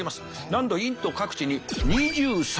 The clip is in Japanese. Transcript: なんとインド各地に２３。